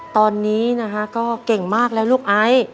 ตอนนี้นะคะก็เก่งมากแล้วลูกไอซ